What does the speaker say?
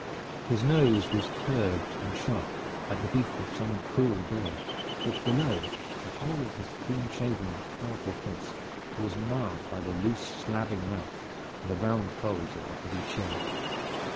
His nose was curved and sharp, like the beak of some cruel bird, but below the whole of his clean shaven powerful face was marred by the loose slabbing mouth and the round folds of the heavy chin.